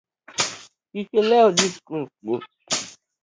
Kik ilew dhi sikul kiny